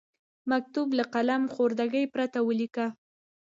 مکتوب له قلم خوردګۍ پرته ولیکئ.